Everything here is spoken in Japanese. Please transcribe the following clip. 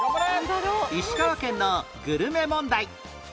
石川県のグルメ問題